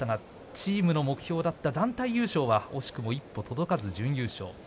チームの目標だった団体優勝は惜しくも一歩、届かず準優勝。